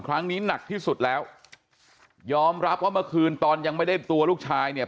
ครั้งนี้หนักที่สุดแล้วยอมรับว่าเมื่อคืนตอนยังไม่ได้ตัวลูกชายเนี่ย